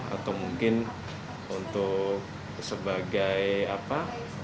atau mungkin untuk sebagai apa